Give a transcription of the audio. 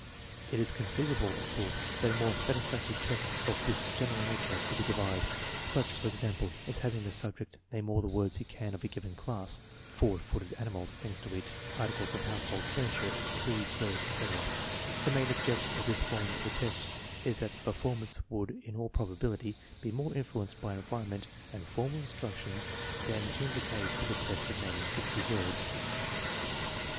It is conceivable, of course, that a more satisfactory test of this general nature could be devised; such, for example, as having the subject name all the words he can of a given class (four footed animals, things to eat, articles of household furniture, trees, birds, etc.). The main ob jection to this form of the test is that the performance would in all probability be more influenced by environment and formal instruction than is the case with the test of naming sixty words.